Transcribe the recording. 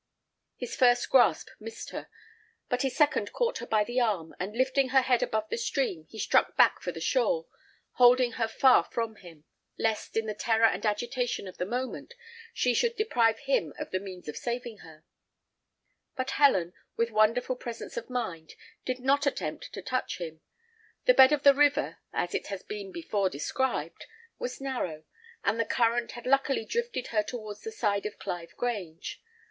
His first grasp missed her, but his second caught her by the arm, and lifting her head above the stream, he struck back for the shore, holding her far from him, lest, in the terror and agitation of the moment, she should deprive him of the means of saving her; but Helen, with wonderful presence of mind, did not attempt to touch him. The bed of the river, as it has been before described, was narrow; and the current had luckily drifted her towards the side of Clive Grange.